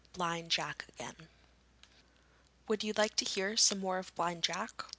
BLIND JACK AGAIN Would you like to hear some more of Blind Jack?